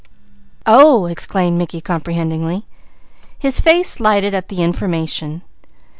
"Oh!" exclaimed Mickey comprehendingly. His face lighted at the information.